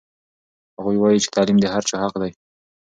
هغوی وایي چې تعلیم د هر چا حق دی.